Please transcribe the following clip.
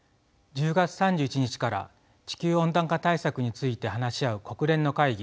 １０月３１日から地球温暖化対策について話し合う国連の会議